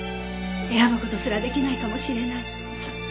選ぶ事すらできないかもしれない。